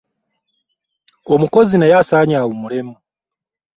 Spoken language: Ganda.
omukozi naye asaanye awummulemu.